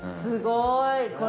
すごい。